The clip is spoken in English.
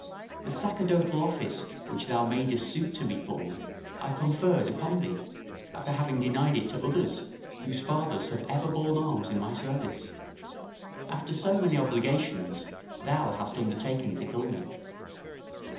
The sacerdotal office which thou madest suit to me for, I conferred upon thee, after having denied it to others, whose fathers have ever borne arms in my service. After so many obligations, thou hast undertaken to kill me."